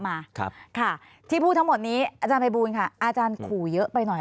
มาครับค่ะที่พูดทั้งหมดนี้อาจารย์ภัยบูลค่ะอาจารย์ขู่เยอะไปหน่อย